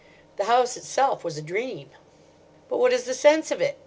The house itself was a dream." "But what is the sense of it?"